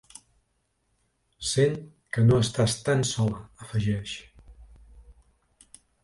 Sent que no estàs tan sola, afegeix.